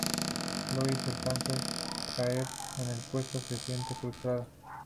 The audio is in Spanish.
Lois al caer en el puesto se siente frustrada.